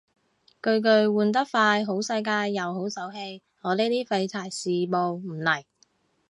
巨巨換得快好世界又好手氣，我呢啲廢柴羨慕唔嚟